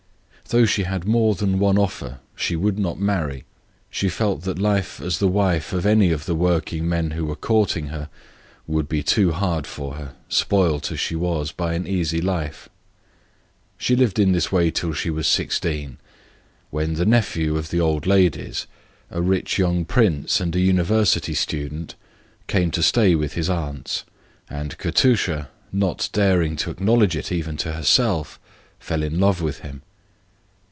Though she had more than one offer, she would not marry. She felt that life as the wife of any of the working men who were courting her would be too hard; spoilt as she was by a life of case. She lived in this manner till she was sixteen, when the nephew of the old ladies, a rich young prince, and a university student, came to stay with his aunts, and Katusha, not daring to acknowledge it even to herself, fell in love with him.